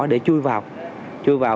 để chui vào